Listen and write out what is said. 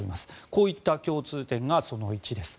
こういった共通点がその１です。